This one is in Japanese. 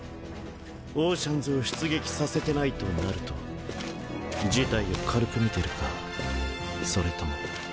オーシャンズを出撃させてないとなると事態を軽く見てるかそれとも。